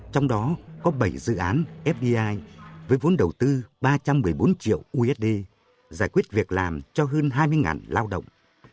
trong đó có bảy dự án fdi với vốn đầu tư ba trăm một mươi bốn triệu usd giải quyết việc làm cho hơn hai mươi lao động